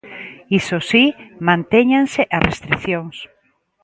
Iso si, mantéñense as restricións.